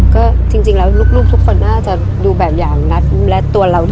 ก็จริงแล้วลูกทุกคนน่าจะดูแบบอย่างและตัวเรา